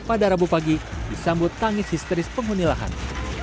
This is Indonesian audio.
pada rabu pagi disambut tangis histeris penghuni lahan